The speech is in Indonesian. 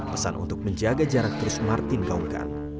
pesan untuk menjaga jarak terus martin gaungkan